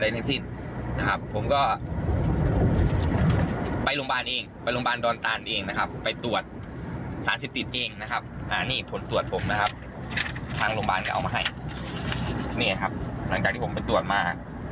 นี่ครับหลังจากที่ผมไปตรวจมา